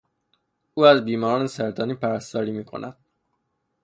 او از بیماران سرطانی پرستاری میکند.